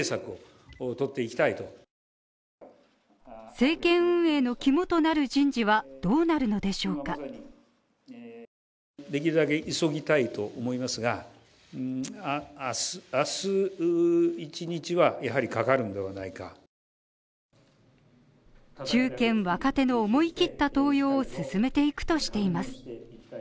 政権運営の肝となる人事はどうなるのでしょうか中堅若手の思い切った登用を進めていくとしています